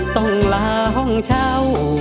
ต้องลาห้องเช่า